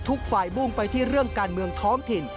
ทุกฝ่ายมุ่งไปที่เรื่องการเมืองท้องถิ่น